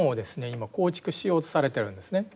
今構築しようとされてるんですね。